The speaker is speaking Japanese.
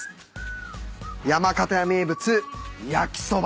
「山形屋名物焼そば」